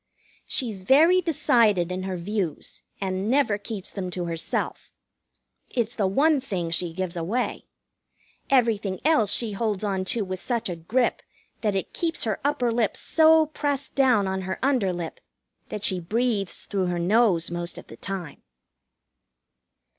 She's very decided in her views, and never keeps them to herself. It's the one thing she gives away. Everything else she holds on to with such a grip that it keeps her upper lip so pressed down on her under lip that she breathes through her nose most of the time.